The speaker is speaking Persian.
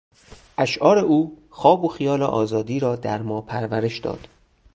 اشعار او خواب و خیال آزادی را در ما پرورش داد.